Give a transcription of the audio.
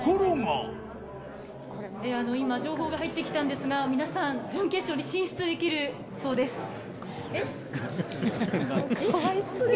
今、情報が入ってきたんですが、皆さん、準決勝に進出できるそうです。